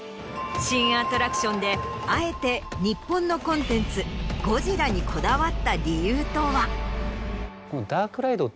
新アトラクションであえて日本のコンテンツ『ゴジラ』にこだわった理由とは。